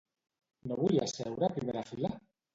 No volia seure a primera fila?